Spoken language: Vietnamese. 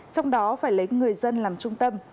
trong đó phải lấy người dân làm trung tâm